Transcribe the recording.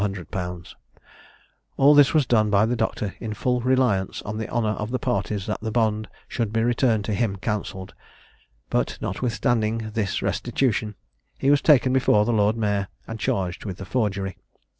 _ All this was done by the doctor in full reliance on the honour of the parties that the bond should be returned to him cancelled; but, notwithstanding this restitution, he was taken before the lord mayor, and charged with the forgery.